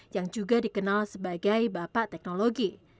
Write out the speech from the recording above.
yang juga dikenal sebagai bapak teknologi